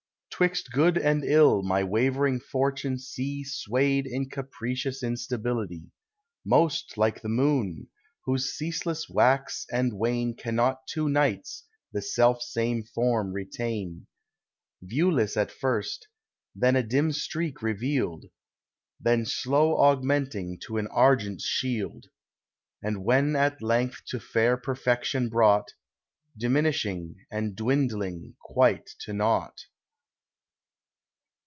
'Twixt good and ill my wavering fortune see Swayed in capricious instability, Most like the moon, whose ceaseless wax and wane Cannot two nights the self same form retain ; Viewless at first, then a dim streak revealed, Then slow augmenting to an argent shield ; And when at length to fair perfection brought, Diminishing and dwindling quite to nought.